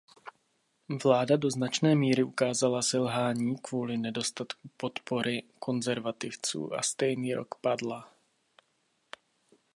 Vláda do značné míry ukázala selhání kvůli nedostatku podpory Konzervativců a stejný rok padla.